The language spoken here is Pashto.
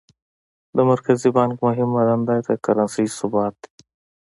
د مرکزي بانک مهمه دنده د کرنسۍ ثبات دی.